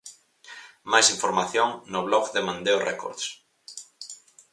Máis información no blog de Mandeo Records.